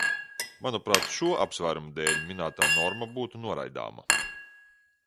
Manuprāt, šo apsvērumu dēļ minētā norma būtu noraidāma.